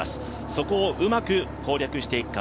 そこをうまく攻略していくか